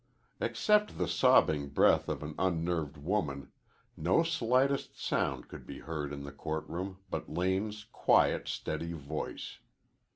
Except the sobbing breath of an unnerved woman no slightest sound could be heard in the court room but Lane's quiet, steady voice.